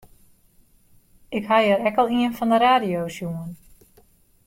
Ik ha hjir ek al ien fan de radio sjoen.